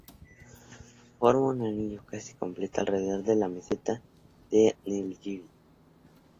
Forma un anillo casi completo alrededor de la meseta de Nilgiri.